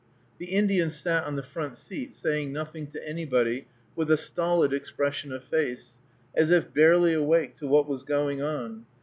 The Indian sat on the front seat, saying nothing to anybody, with a stolid expression of face, as if barely awake to what was going on.